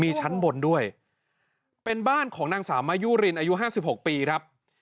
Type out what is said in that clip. มีชั้นบนด้วยเป็นบ้านของนางสาวมายุรินอายุห้าสิบหกปีครับ